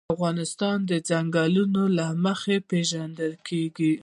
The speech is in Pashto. افغانستان د ځنګلونه له مخې پېژندل کېږي.